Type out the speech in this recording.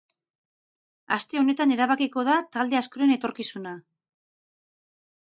Aste honetan erabakiko da talde askoren etorkizuna.